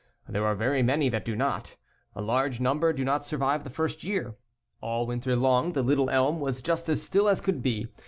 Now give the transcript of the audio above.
There are very many that do not. A large number do not survive the first year. All winter long the little elm was just as still as could be.